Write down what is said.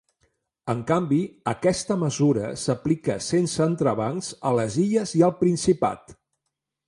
En canvi, aquesta mesura s’aplica sense entrebancs a les Illes i al Principat.